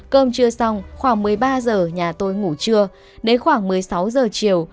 cơm chưa xong khoảng một mươi ba h nhà tôi ngủ trưa đến khoảng một mươi sáu h chiều